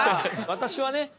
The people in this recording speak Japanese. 私はね